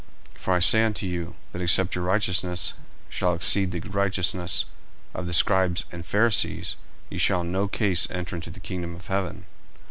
40:005:020 For I say unto you, That except your righteousness shall exceed the righteousness of the scribes and Pharisees, ye shall in no case enter into the kingdom of heaven.